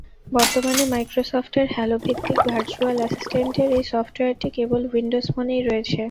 বর্তমানে মাইক্রোসফটের হ্যালো ভিত্তিক ভারচুয়াল অ্যাসিসটেন্ট এই সফটওয়্যারটি কেবল উইন্ডোজ ফোনেই রয়েছে।